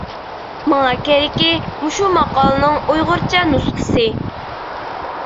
ماڭا كېرىكى مۇشۇ ماقالىنىڭ ئۇيغۇرچە نۇسخىسى.